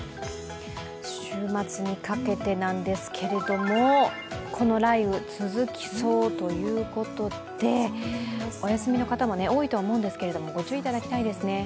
週末にかけてなんですけれども、この雷雨、続きそうということでお休みの方も多いとは思うんですけれども、ご注意いただきたいですね。